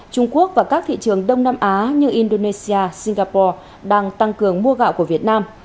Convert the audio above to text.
trung quốc và các thị trường đông nam á như indonesia singapore đang tăng cường mua gạo của việt nam